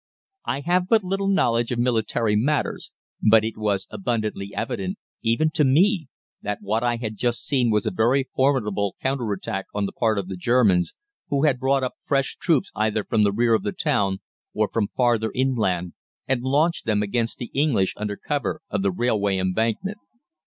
"I have but little knowledge of military matters, but it was abundantly evident, even to me, that what I had just seen was a very formidable counter attack on the part of the Germans, who had brought up fresh troops either from the rear of the town or from farther inland, and launched them against the English under cover of the railway embankment.